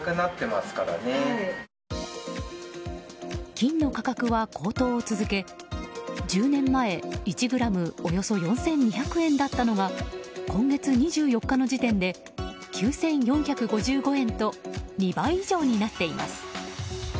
金の価格は高騰を続け１０年前１ｇおよそ４２００円だったのが今月２４日の時点で９４５５円と２倍以上になっています。